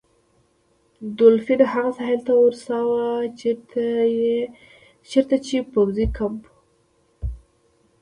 دولفین هغه ساحل ته ورساوه چیرته چې پوځي کمپ و.